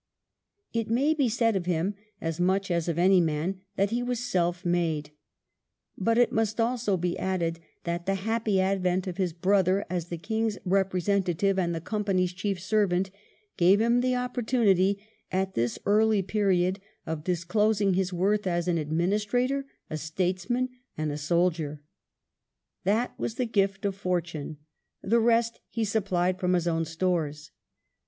It may be said of him, as much as of any man, that he was self made; but it must also be added that the happy advent of his brother as the King's representative and the Company's chief servant gave him the opportunity at this early period of disclosing his worth as an administrator, a statesman, and a soldier. That was the gift of Fortune; the rest he supplied from his own stores.